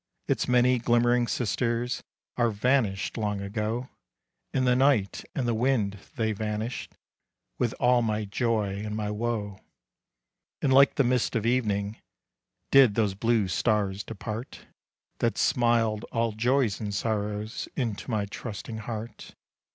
Its many glimmering sisters Are vanished long ago, In the night and the wind they vanished With all my joy and my woe. And like the mists of evening Did those blue stars depart, That smiled all joys and sorrows Into my trusting heart.